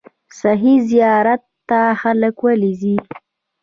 سخي زیارت ته خلک ولې ځي؟